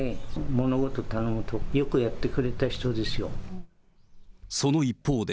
物事頼むとよくやってくれた人ですよ。